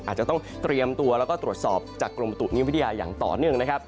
อาจจะต้องเตรียมตัวแล้วก็ตรวจสอบจากกรมประตุนิวิทยาอย่างต่อเนื่องนะครับ